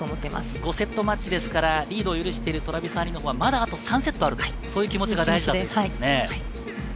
５セットマッチですからリードを許してるトラビサーニはまだあと３セットあるという気持ちが大事なんですね。